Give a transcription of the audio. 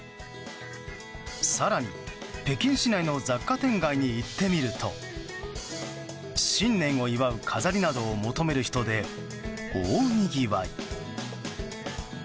更に、北京市内の雑貨店街に行ってみると新年を祝う飾りなどを求める人で大にぎわい。